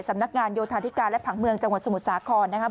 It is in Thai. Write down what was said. สำนักงานโยธาธิการและผังเมืองจังหวัดสมุทรสาครนะครับ